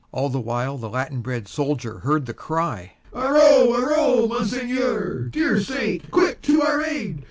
All the while the Latin bred soldier heard the cry: "Harow! Harow! Monseigneur, dear Saint, quick to our aid!